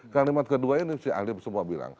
kalimat kedua ini si ahli semua bilang